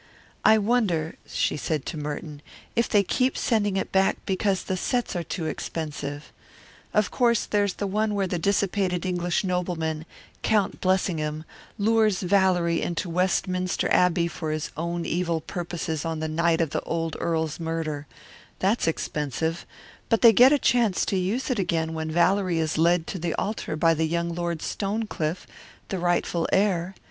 "I wonder," she said to Merton, "if they keep sending it back because the sets are too expensive. Of course there's the one where the dissipated English nobleman, Count Blessingham, lures Valerie into Westminster Abbey for his own evil purposes on the night of the old earl's murder that's expensive but they get a chance to use it again when Valerie is led to the altar by young Lord Stonecliff, the rightful heir.